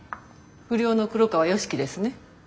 不良の黒川良樹ですね。